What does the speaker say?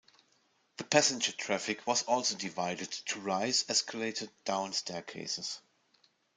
The passenger traffic was also divided, to rise - escalator, down - staircases.